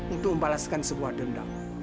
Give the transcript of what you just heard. untuk membalaskan sebuah dendam